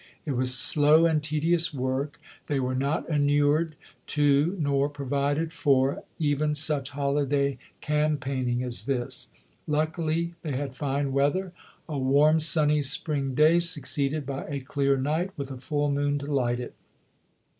It was slow and tedious work; 156 ABKAHAM LINCOLN Chap. VII. they Were not inured to nor provided for even such holiday campaigning as this. Luckily they had fine weather — a warm, sunny, spring day, succeeded by a clear night with a full moon to light it.